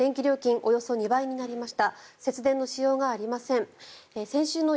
およそ２倍になりました。